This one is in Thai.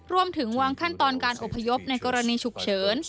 รวมถึงวางขั้นตอนการอบพยพในกรณีฉุกเฉิน